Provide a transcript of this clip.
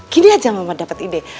gini aja mama dapat ide